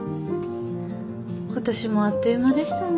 今年もあっという間でしたね。